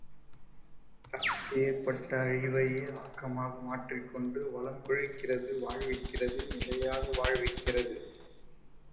தனக்கு ஏற்பட்ட அழிவையே ஆக்கமாக மாற்றிக் கொண்டு வளம் கொழிக்கிறது வாழ்விக்கிறது நிலையாக வாழ்விக்கிறது.